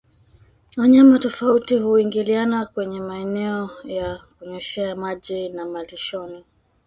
Wanyama tofauti huingiliana kwenye maeneo ya kunyweshea maji na malishoni